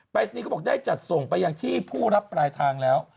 นี้ก็บอกได้จัดส่งไปยังที่ผู้รับปลายทางแล้ว